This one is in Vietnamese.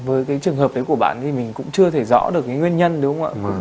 với cái trường hợp đấy của bạn thì mình cũng chưa thể rõ được cái nguyên nhân đúng không ạ